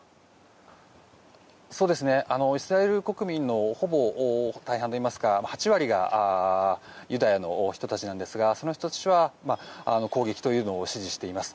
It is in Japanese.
イスラエル国民のほぼ大半というか８割がユダヤの人たちなんですがその人たちは攻撃を支持しています。